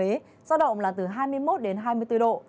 giao động là từ hai mươi một đến hai mươi bốn độ